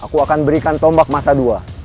aku akan berikan tombak mata dua